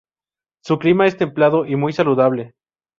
Su clima es templado y muy saludable.